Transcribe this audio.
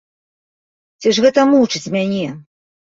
Ці ж гэта мучыць мяне?